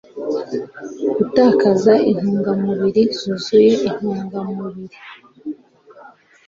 gutakaza intungamubiri zuzuye intungamubiri